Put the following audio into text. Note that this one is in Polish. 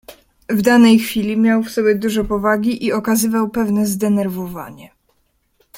"W danej chwili miał w sobie dużo powagi i okazywał pewne zdenerwowanie."